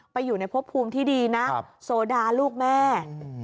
ไปอยู่ในพบภูมิที่ดีนะโซดาลูกแม่